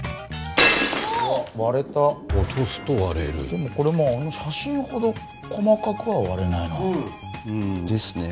割れた落とすと割れるでもこれもあの写真ほど細かくは割れないなですね